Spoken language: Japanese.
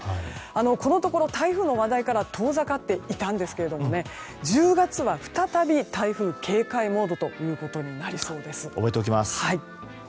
このところ、台風の話題から遠ざかっていたんですけども１０月は、再び台風に警戒モードとなりそうです。